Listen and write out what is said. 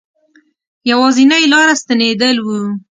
یوازنی لاره ستنېدل وه.